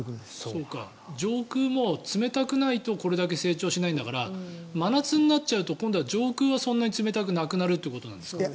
上空も冷たくないとこれだけ成長しないんだから真夏になっちゃうと今度は上空はそんなに冷たくなくなっちゃうということですか？